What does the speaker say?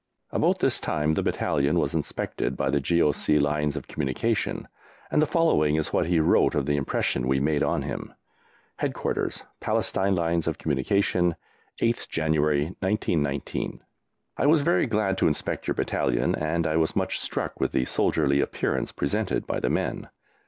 About this time the battalion was inspected by the G.O.C. Lines of Communication, and the following is what he wrote of the impression we made on him: HEADQUARTERS, PALESTINE LINES OF COMMUNICATION, 8TH JANUARY, 1919. I was very glad to inspect your battalion and I was much struck with the soldierly appearance presented by the men.